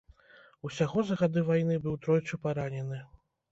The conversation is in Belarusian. Усяго за гады вайны быў тройчы паранены.